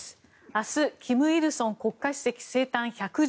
明日金日成国家主席生誕１１０年。